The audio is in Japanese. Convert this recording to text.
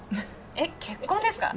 えっ結婚ですか？